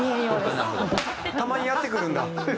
たまにやってくるんだ。